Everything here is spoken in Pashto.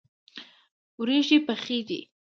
وریژې پخې دي.